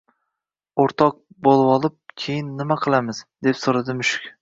– O‘rtoq bo‘lvolib, keyin nima qilamiz? – deb so‘radi mushuk